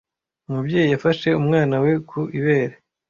Umubyeyi yafashe umwana we ku ibere.